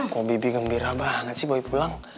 kok bibi gembira banget sih bawa pulang